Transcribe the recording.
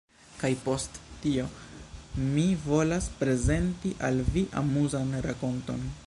kaj post tio mi volas prezenti al vi amuzan rakonton.